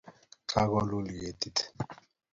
Kakolul ketit